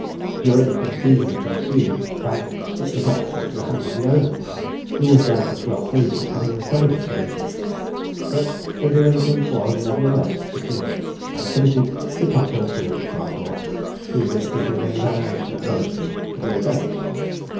During the confusion that ensued, Barrington slipped the box into the hand of the owner, who was doubtless well pleased at having recovered it so easily; but the delinquent was, nevertheless, secured, and committed to Tothill fields Bridewell, previous to his examination at Bow street for the offence.